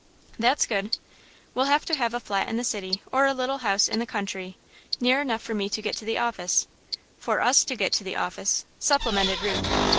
"That's good!" "We'll have to have a flat in the city, or a little house in the country, near enough for me to get to the office." "For us to get to the office," supplemented Ruth.